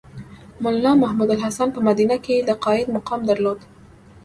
مولنا محمودالحسن په مدینه کې د قاید مقام درلود.